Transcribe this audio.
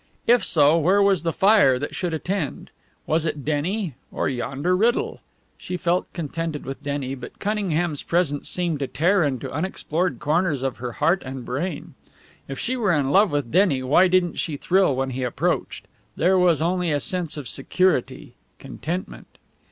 If so, where was the fire that should attend? Was it Denny or yonder riddle? She felt contented with Denny, but Cunningham's presence seemed to tear into unexplored corners of her heart and brain. If she were in love with Denny, why didn't she thrill when he approached? There was only a sense of security, contentment.